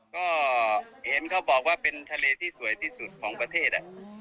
ก็เห็นเขาบอกว่าเป็นทะเลที่สวยที่สุดของประเทศ